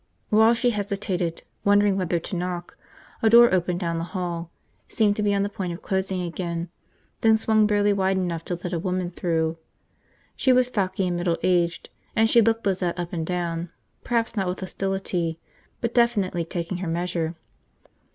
While she hesitated, wondering whether to knock, a door opened down the hall, seemed to be on the point of closing again, then swung barely wide enough to let a woman through. She was stocky and middle aged, and she looked Lizette up and down, perhaps not with hostility but definitely taking her measure.